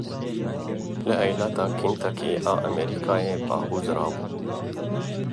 Li eyaleta Kentucky a Amerîkayê bahoz rabû.